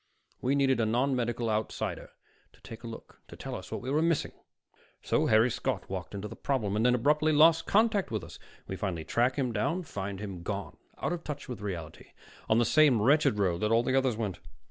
We needed a nonmedical outsider to take a look, to tell us what we were missing. So Harry Scott walked into the problem, and then abruptly lost contact with us. We finally track him down and find him gone, out of touch with reality, on the same wretched road that all the others went.